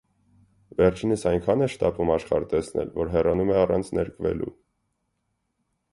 Վերջինս այնքան է շտապում աշխարհ տեսնել, որ հեռանում է առանց ներկվելու։